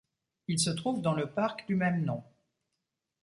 Il se trouve dans le parc du même nom.